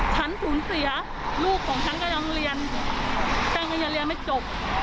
ฉันสูญเสียลูกของฉันก็ยังเรียนท่านก็ยังเรียนไม่จบ